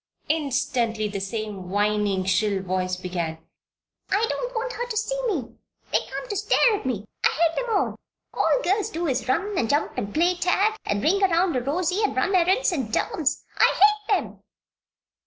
Instantly the same whining, shrill voice began: "I don't want her to see me! They come to stare at me! I hate 'em all! All girls do is to run and jump and play tag and ring around a rosy and run errands, and dance! I hate 'em!"